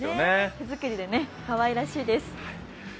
手作りで、かわいらしいです。